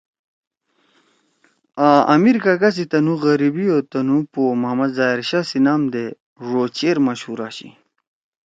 آں آمیر کاگا سی تنُو غریبی او تنُو پو محمد ظاہر شاہ سی نام دے ڙو چیر مشہور آشی۔